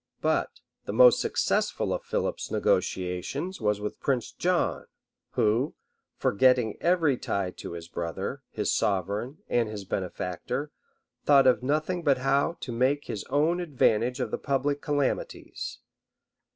] But the most successful of Philip's negotiations was with Prince John, who, forgetting every tie to his brother, his sovereign, and his benefactor, thought of nothing but how to make his own advantage of the public calamities.